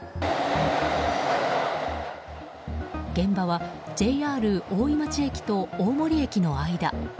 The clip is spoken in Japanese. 現場はＪＲ大井町駅と大森駅の間。